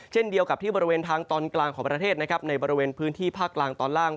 เช่นเดียวกับที่บริเวณทางตอนกลางของประเทศนะครับในบริเวณพื้นที่ภาคกลางตอนล่าง